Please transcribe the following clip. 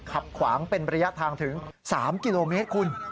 ขับขวางเป็นระยะทางถึง๓กิโลเมตรคุณ